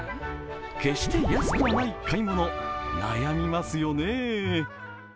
決して安くはない買い物、悩みますよね。